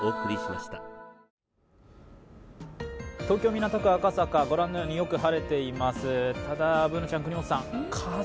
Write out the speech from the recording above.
東京・港区赤坂、御覧のようによく晴れています。